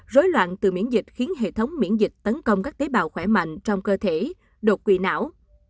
rối loạn từ miễn dịch khiến hệ thống miễn dịch tấn công các tế bào khỏe mạnh trong cơ thể đột quỵ não